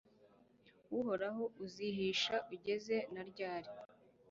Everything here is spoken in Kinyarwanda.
Uhoraho uzihisha ugeze na ryari?